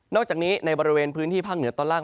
อกจากนี้ในบริเวณพื้นที่ภาคเหนือตอนล่าง